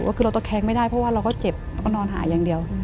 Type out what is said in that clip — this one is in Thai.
ก็คือเราตะแคงไม่ได้เพราะว่าเราก็เจ็บแล้วก็นอนหายอย่างเดียว